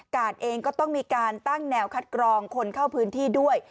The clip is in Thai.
เองก็ต้องมีการตั้งแนวคัดกรองคนเข้าพื้นที่ด้วย